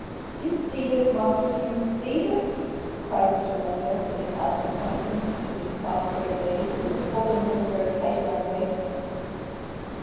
'Do you see this, monster? Do you see THIS?' cried Mr. Lenville, sitting up, and pointing to his prostrate lady, who was holding him very tight round the waist.